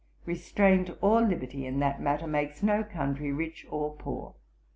Restraint or liberty in that matter makes no country rich or poor.'